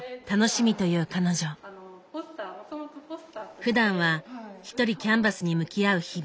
ふだんは一人キャンバスに向き合う日々。